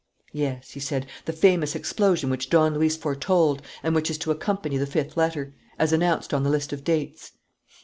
"Yes," he said, "the famous explosion which Don Luis foretold and which is to accompany the fifth letter, as announced on the list of dates.